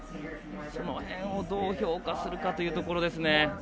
その辺をどう評価するかというところですね。